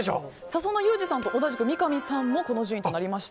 そんなユージさんと同じく三上さんもこの順位となりました。